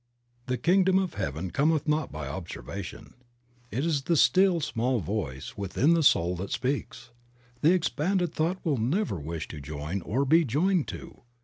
"The Kingdom of Heaven cometh not by observation." It is the "Still, small voice" within the soul that speaks. The expanded thought will never wish to join or be joined to.